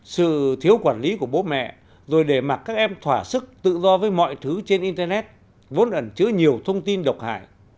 sự thiếu quản lý của bố mẹ rồi để mặc các em thỏa sức tự do với mọi thứ trên internet vốn ẩn chứa nhiều thông tin độc hại